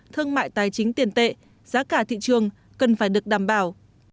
thương mại tài chính tiền tệ giá cả thị trường cần phải được đảm bảo